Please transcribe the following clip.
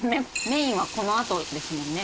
メインはこのあとですもんね。